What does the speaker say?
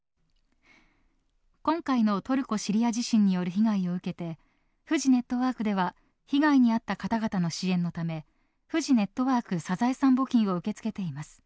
今回のトルコ、シリア地震による被害を受けてフジネットワークでは被害に遭った方々の支援のためフジネットワークサザエさん募金を受け付けています。